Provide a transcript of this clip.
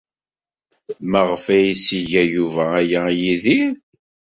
Maɣef ay as-iga Yuba aya i Yidir?